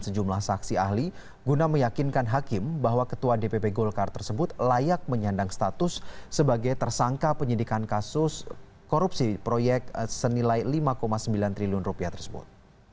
sejumlah saksi ahli guna meyakinkan hakim bahwa ketua dpp golkar tersebut layak menyandang status sebagai tersangka penyidikan kasus korupsi proyek senilai lima sembilan triliun rupiah tersebut